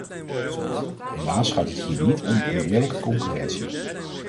Helaas gaat het hier niet om oneerlijke concurrentie.